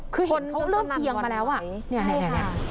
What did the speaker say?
คือเห็นเขาเริ่มเอียงมาแล้วอ่ะเนี่ย